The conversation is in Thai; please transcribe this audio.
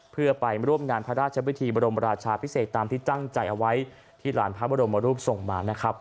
เพื่อไปร่วมงานพระราชวิธีบรมราชาพิเศษตามที่ตั้งใจเอาไว้ที่หลานพระบรมรูปส่งมานะครับ